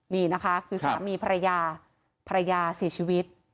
นี่นะคะคือสามีภรรยาภรรยาเสียชีวิต